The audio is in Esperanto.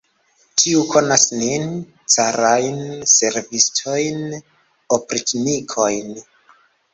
Ĉiu konas nin, carajn servistojn, opriĉnikojn!